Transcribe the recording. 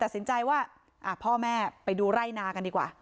ตัดสินใจว่าพ่อแม่ไปดูไร่นากันดีกว่า